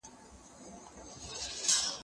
کېدای سي موبایل خراب وي